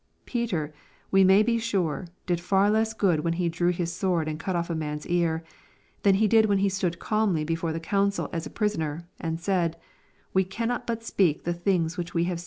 Peter, we may be sure, did far less good when he drew his sword and cut off a man's ear, than he did when he stood calmly before the coun cil as a prisoner, and said, " We cannot but speak the things which we have.